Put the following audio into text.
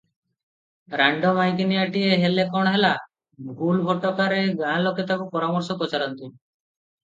ରାଣ୍ଡ ମାଇକିନିଆଟିଏ ହେଲେ କଣ ହେଲା, ଭୁଲ ଭଟକାରେ ଗାଁ ଲୋକେ ତାକୁ ପରାମର୍ଶ ପଚାରନ୍ତି ।